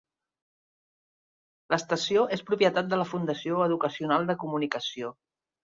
L'estació és propietat de la fundació educacional de comunicació.